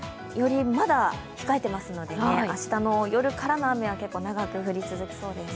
まだ控えていますので、明日の夜からの雨は結構長く降り続きそうです。